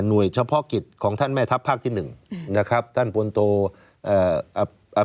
หน่วยเฉพาะกิจของท่านแม่ทัพภาคที่หนึ่งนะครับท่านปนโตอ่า